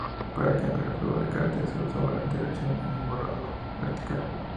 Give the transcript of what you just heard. Para cambiar el juego de caracteres sólo usaba la interrupción en el borrado vertical.